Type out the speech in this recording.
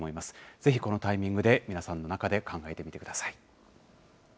ぜひこのタイミングで皆さんの中で考えてみてください。